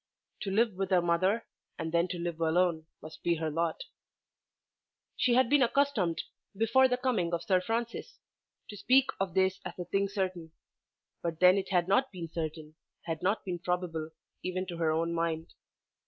To live with her mother, and then to live alone, must be her lot. She had been accustomed, before the coming of Sir Francis, to speak of this as a thing certain; but then it had not been certain, had not been probable, even to her own mind.